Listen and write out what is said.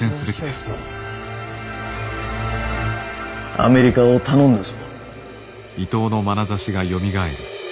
アメリカを頼んだぞ。